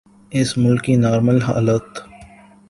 اس ملک کے نارمل حالات۔